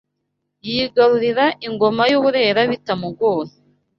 yigarurira Ingoma y’ u Burera bitamugoye